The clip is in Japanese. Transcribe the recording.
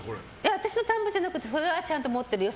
私の田んぼじゃなくてそれはちゃんと持ってるよ